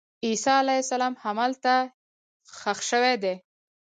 عیسی علیه السلام همدلته ښخ شوی دی.